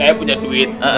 saya punya duit